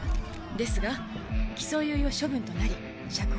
ですが起訴猶予処分となり釈放されました。